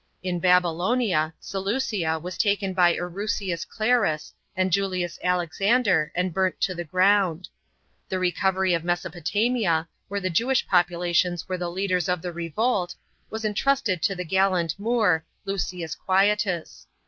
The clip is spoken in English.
In Babylonia, Seleucia was taken by Krucius Clarus and Julius Alexander, and burnt to the ground. The recovery of Mes« >potamia, where the Jewish populations were the leaders of the revolt, was entrusted to the gallant Moor, Lusius Quietus.